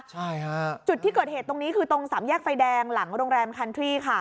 ใช่ค่ะจุดที่เกิดเหตุตรงนี้คือตรงสามแยกไฟแดงหลังโรงแรมคันทรี่ค่ะ